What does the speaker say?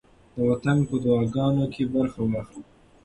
د وطن په دعاګانو کې برخه واخلئ.